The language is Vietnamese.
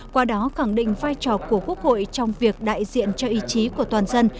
qua đó khẳng định vai trò của quốc hội trong việc đại diện cho ý chí của toàn dân